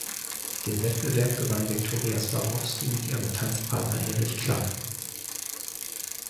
Den Wettbewerb gewann Victoria Swarovski mit ihrem Tanzpartner Erich Klann.